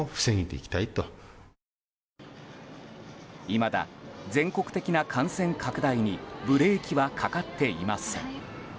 いまだ全国的な感染拡大にブレーキはかかっていません。